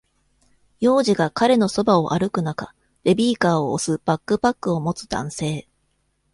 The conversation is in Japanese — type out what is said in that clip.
幼児が彼の側を歩く中、ベビーカーを押すバックパックを持つ男性